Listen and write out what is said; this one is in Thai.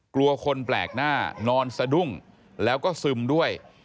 กลัวคนแปลกหน้านอนสะดุ้งแล้วก็ซึมด้วย